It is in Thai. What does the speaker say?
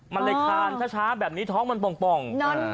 มันเลยคานช้าแบบนี้ท้องมันป่อง